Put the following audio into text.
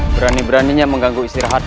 berani beraninya mengganggu istirahatku